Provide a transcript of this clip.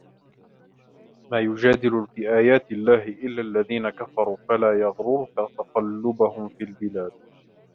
مَا يُجَادِلُ فِي آيَاتِ اللَّهِ إِلَّا الَّذِينَ كَفَرُوا فَلَا يَغْرُرْكَ تَقَلُّبُهُمْ فِي الْبِلَادِ